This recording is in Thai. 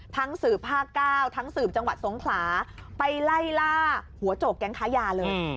สื่อภาคเก้าทั้งสืบจังหวัดสงขลาไปไล่ล่าหัวโจกแก๊งค้ายาเลย